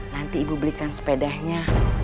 nanti ibu belikan sepedanya